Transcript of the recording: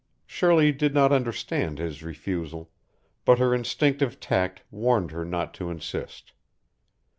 Shirley did not understand his refusal, but her instinctive tact warned her not to insist.